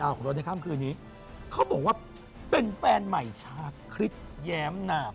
อ้าวขอโทษนะครับคืนนี้เขาบอกว่าเป็นแฟนใหม่ชาวคลิดแย้มหนาบ